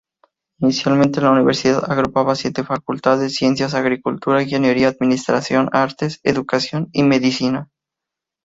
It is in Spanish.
Inicialmente la universidad agrupaba siete facultades: ciencias, agricultura, ingeniería, administración, artes, educación y medicina.